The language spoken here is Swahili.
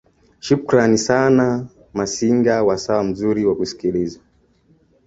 shukrani sana liz masinga wasaa mzuri wa kusikiliza